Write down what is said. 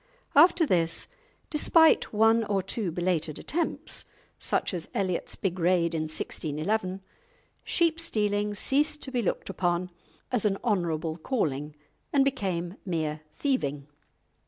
After this, despite one or two belated attempts, such as Elliot's big raid in 1611, sheep stealing ceased to be looked upon as an honourable calling, and became mere thieving.